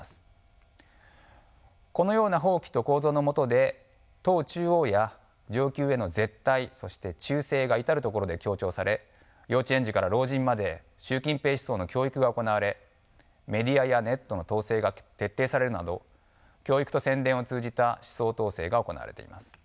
このような法規と構造の下で党中央や上級への「絶対」そして「忠誠」が至る所で強調され幼稚園児から老人まで「習近平思想」の教育が行われメディアやネットの統制が徹底されるなど教育と宣伝を通じた思想統制が行われています。